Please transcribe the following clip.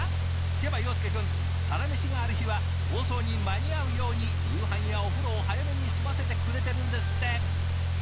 聞けば陽介くん「サラメシ」がある日は放送に間に合うように夕飯やお風呂を早めに済ませてくれてるんですって！